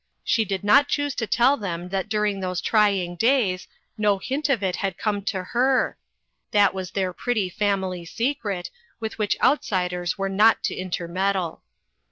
She did not choose to tell them that dur A FAMILY SECRET. 44! ing those trying days no hint of it had come to her. That was their pretty family secret, with which outsiders were not to intermeddle.